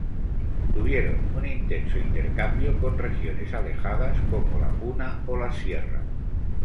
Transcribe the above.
Tuvieron un intenso intercambio con regiones alejadas como la Puna o las sierras.